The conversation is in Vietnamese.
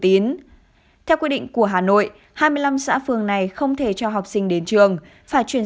theo quy định của hà nội hai mươi năm xã phường này không thể cho học sinh đến trường phải chuyển